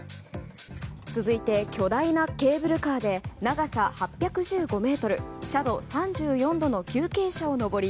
続いて、巨大なケーブルカーで長さ８１５ｍ、斜度３４度の急傾斜を登り